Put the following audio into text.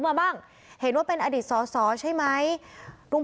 แล้วอันนี้ก็เปิดแล้ว